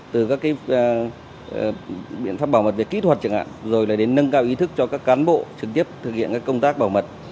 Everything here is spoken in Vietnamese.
từ các biện pháp bảo mật về kỹ thuật chẳng hạn rồi là đến nâng cao ý thức cho các cán bộ trực tiếp thực hiện các công tác bảo mật